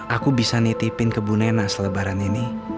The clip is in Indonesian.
aku bisa nitipin kebun nena setelah lebaran ini